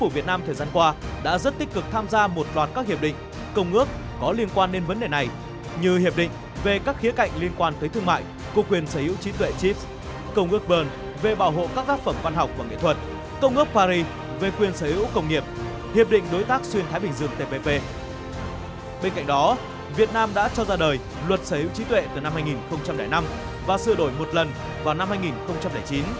việt nam đã cho ra đời luật sở hữu trí tuệ từ năm hai nghìn năm và sửa đổi một lần vào năm hai nghìn chín